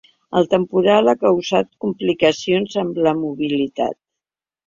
El temporal ha causat complicacions en la mobilitat.